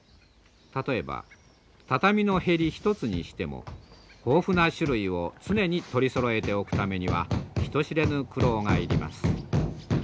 例えば畳の縁一つにしても豊富な種類を常に取りそろえておくためには人知れぬ苦労が要ります。